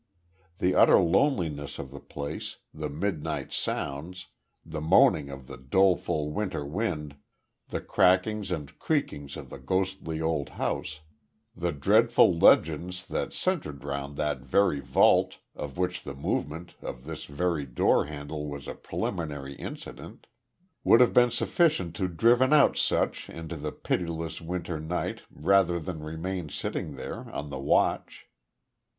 The utter loneliness of the place, the midnight sounds, the moaning of the doleful winter wind, the crackings and creakings of the ghostly old house, the dreadful legends that centred round that very vault, of which the movement of this very door handle was a preliminary incident would have been sufficient to have driven out such into the pitiless winter night rather than remain sitting there on the watch.